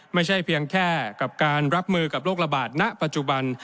ไม่ใช่เพียงแค่กับการรับมือกับโรคระบาดณปัจจุบัน